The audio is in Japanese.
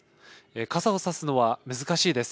傘を差すのは難しいです。